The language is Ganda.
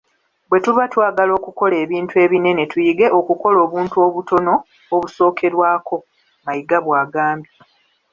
"Bwetuba twagala okukola ebintu ebinene tuyige okukola obuntu obutono obusookerwako,” Mayiga bw'agambye.